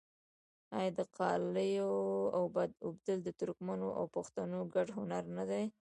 آیا د قالیو اوبدل د ترکمنو او پښتنو ګډ هنر نه دی؟